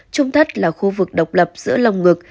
trung thất là khu vực độc lập giữa lòng ngược